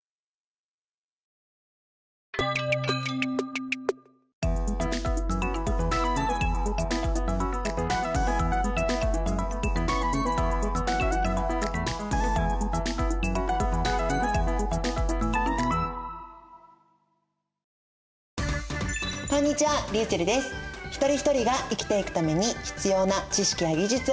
一人一人が生きていくために必要な知識や技術を学んでいく「家庭総合」。